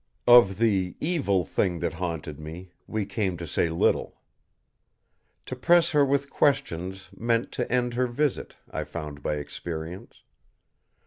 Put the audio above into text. Of the evil Thing that haunted me, we came to say little. To press her with questions meant to end her visit, I found by experience.